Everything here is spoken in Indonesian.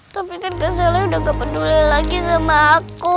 tapi kan keselnya udah gak peduli lagi sama aku